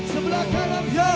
sebelah kanan joe